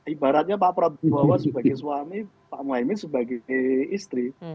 ibaratnya pak prabowo sebagai suami pak mohaimin sebagai istri